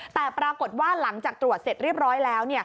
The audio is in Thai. แต่ปรากฏว่าหลังจากตรวจเสร็จเรียบร้อยแล้ว